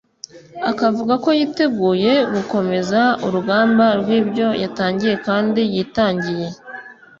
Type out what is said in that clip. akavuga ko yiteguye gukomeza “urugamba” rw’ibyo yatangiye kandi yitangiye